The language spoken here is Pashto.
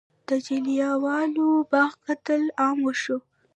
د جلیانواله باغ قتل عام وشو.